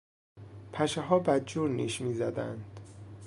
پشهها بدجور نیش میزدند.